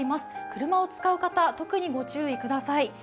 車を使う方、特にご注意ください。